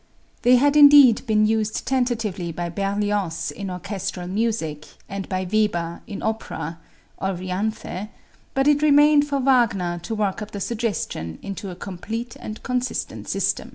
They had indeed been used tentatively by Berlioz in orchestral music, and by Weber in opera ("Euryanthe"), but it remained for Wagner to work up the suggestion into a complete and consistent system.